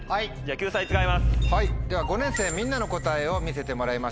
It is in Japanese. では５年生みんなの答えを見せてもらいましょう。